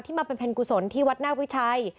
ที่มาเป็นเพ็ญกุศลที่วัดหน้าวิชัย